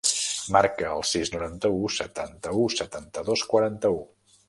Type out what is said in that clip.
Marca el sis, noranta-u, setanta-u, setanta-dos, quaranta-u.